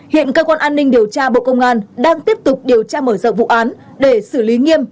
hiện cơ quan an ninh điều tra bộ công an đang tiếp tục điều tra mở rộng vụ án để xử lý nghiêm